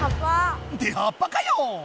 って葉っぱかよ！